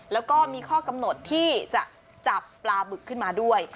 แล้วก็มีข้อกำหนดที่จะจับปลาบึกขึ้นมาด้วย